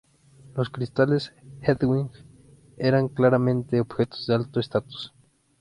Los cristales Hedwig eran claramente objetos de alto estatus.